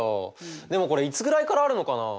でもこれいつぐらいからあるのかな？